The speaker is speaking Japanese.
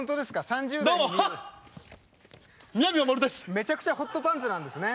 めちゃくちゃホットパンツなんですね。